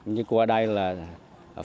như qua đây là pháp